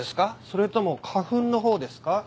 それとも花粉のほうですか？